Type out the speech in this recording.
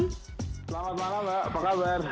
selamat malam mbak apa kabar